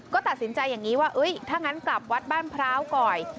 ก็ตัดสินใจอย่างนี้ว่าถ้างั้นกลับวัดบ้านพร้าวก่อน